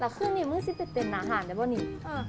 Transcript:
แล้วคืนนี่มึงสิเต็ดเต็มหน้าห่านได้ไหม